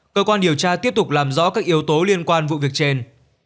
cơ quan điều tra tiếp tục làm rõ các yếu tố liên quan vụ việc trên